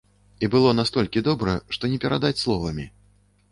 І было настолькі добра, што не перадаць словамі.